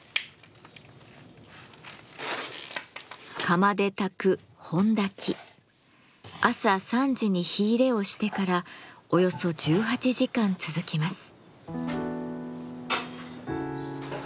釜で焚く朝３時に火入れをしてからおよそ１８時間続きます。